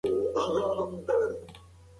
د واورې بڅرکي په کالیو باندې لکه ملغلرې ښکارېدل.